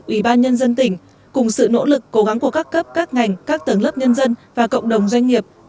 ủy ban nhân dân tỉnh cùng sự nỗ lực cố gắng của các cấp các ngành các tầng lớp nhân dân và cộng đồng doanh nghiệp